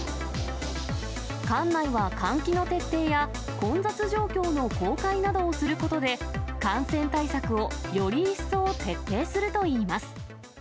館内は、換気の徹底や混雑状況の公開などをすることで、感染対策をより一層徹底するといいます。